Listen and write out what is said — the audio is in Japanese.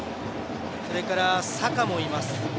それから、サカもいます。